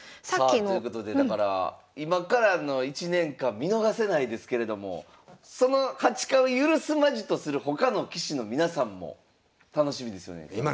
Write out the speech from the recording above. さあということでだから今からの１年間見逃せないですけれどもその８冠を許すまじとする他の棋士の皆さんも楽しみですよね。